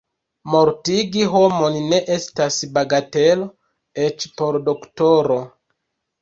Mortigi homon ne estas bagatelo, eĉ por doktoro.